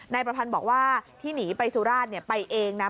นายประพันธ์บอกว่าที่หนีไปสุราชไปเองนะ